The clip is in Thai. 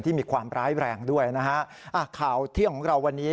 ที่มีความร้ายแรงด้วยข่าวเที่ยงของเราวันนี้